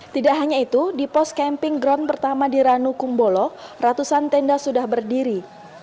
tidak hanya itu di pos camping ground pertama di ranukumbolo ratusan tenda sudah berdiri